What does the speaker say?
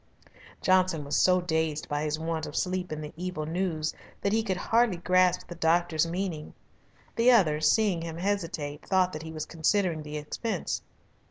Johnson was so dazed by his want of sleep and the evil news that he could hardly grasp the doctor's meaning. The other, seeing him hesitate, thought that he was considering the expense.